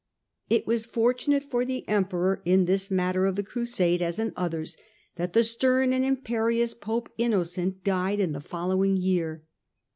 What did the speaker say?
It was fortunate for the Emperor, in this matter of the Crusade as in others, that the stern and imperious Pope Innocent died in the following year.